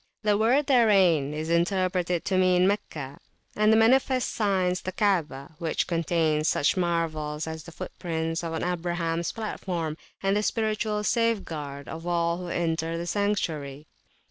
The word therein is interpreted to mean Meccah; and the manifest signs the Kaabah, which contains such marvels as the foot prints on Abrahams platform and the spiritual safeguard of all who enter the Sanctuary.